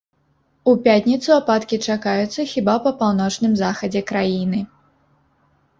У пятніцу ападкі чакаюцца хіба па паўночным захадзе краіны.